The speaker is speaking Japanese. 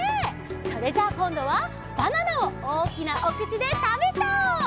それじゃあこんどはバナナをおおきなおくちでたべちゃおう！